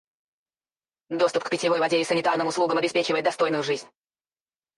Доступ к питьевой воде и санитарным услугам обеспечивает достойную жизнь.